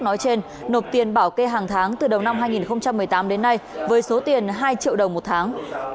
nói trên nộp tiền bảo kê hàng tháng từ đầu năm hai nghìn một mươi tám đến nay với số tiền hai triệu đồng một tháng